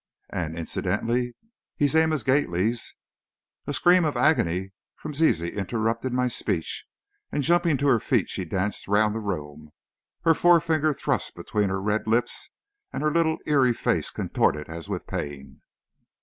"And, incidentally he's Amos Gately's " A scream of agony from Zizi interrupted my speech, and jumping to her feet she danced round the room, her forefinger thrust between her red lips, and her little, eerie face contorted as with pain.